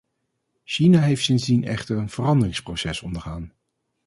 China heeft sindsdien echter een veranderingsproces ondergaan.